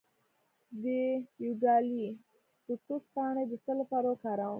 د یوکالیپټوس پاڼې د څه لپاره وکاروم؟